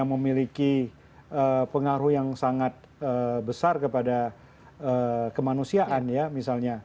memiliki pengaruh yang sangat besar kepada kemanusiaan ya misalnya